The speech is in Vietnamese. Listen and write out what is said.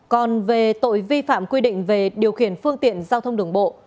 còn về tội vi phạm quy định về điều khiển phương tiện giao thông đường bộ